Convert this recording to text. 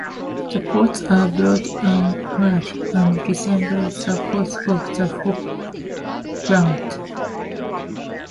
The pods are broad and flat, and resemble the pods of the hop plant.